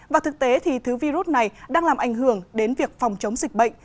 và thực tế thì thứ virus này đang làm ảnh hưởng đến việc phòng chống dịch bệnh